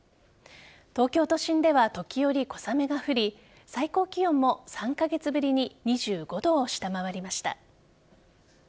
東京都心では時折、小雨が降り最高気温も３カ月ぶりに２５度を下回りました。